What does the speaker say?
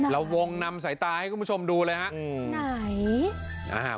ละวงนำสายตาให้คุณผู้ชมดูเลยครับ